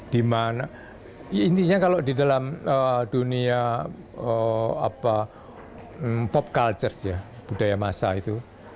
dimana intinya kalau di dalam dunia pop cultures ya budaya masa itu